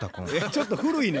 ちょっと古いな。